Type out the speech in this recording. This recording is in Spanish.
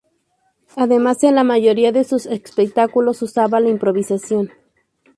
Además en la mayoría de sus espectáculos usaba la improvisación.